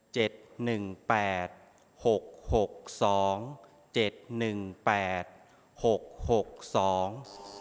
หนึ่งแปดหกหกสองเจ็ดหนึ่งแปดหกหกสอง